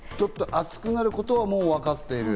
暑くなることはわかっている。